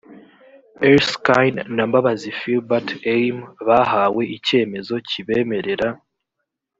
erskine na mbabazi philbert aim bahawe icyemezo kibemerera